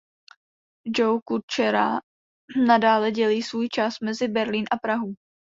Joe Kučera nadále dělí svůj čas mezi Berlín a Prahu.